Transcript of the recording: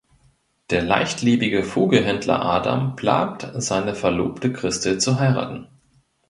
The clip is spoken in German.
Der leichtlebige Vogelhändler Adam plant seine Verlobte Christel zu heiraten.